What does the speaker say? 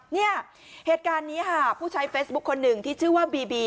เนี่ยเหตุการณ์นี้ค่ะผู้ใช้เฟซบุ๊คคนหนึ่งที่ชื่อว่าบีบี